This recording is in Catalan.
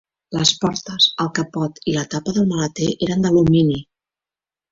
Les portes, el capot i la tapa del maleter eren d'alumini.